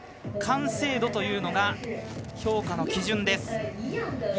完成度というのが評価の基準です。